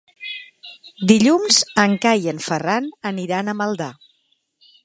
Dilluns en Cai i en Ferran aniran a Maldà.